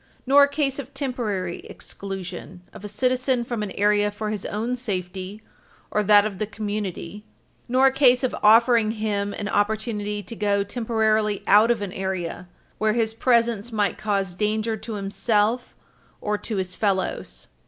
226 nor a case of temporary exclusion of a citizen from an area for his own safety or that of the community, nor a case of offering him an opportunity to go temporarily out of an area where his presence might cause danger to himself or to his fellows.